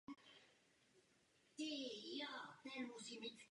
Do dnešního dne je jediným českým držitelem medaile z vrcholné akce v polostřední váze.